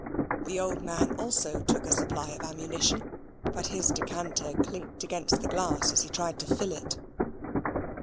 The old man also took a supply of ammunition, but his decanter clinked against the glass as he tried to fill it.